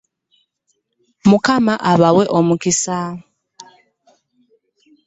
Mukamwa abawe omukisa.